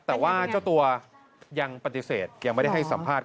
แต่ว่าเจ้าตัวยังปฏิเสธยังไม่ได้ให้สัมภาษณ